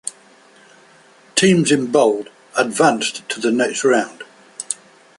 Teams in bold advanced to the next round.